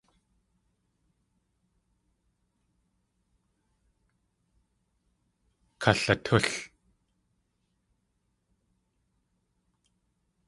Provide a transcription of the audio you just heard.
Kalatúl!